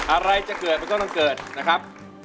อะไรจะเกิดมันก็ต้องเกิดนะครับ